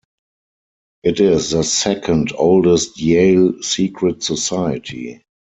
It is the second oldest Yale secret society.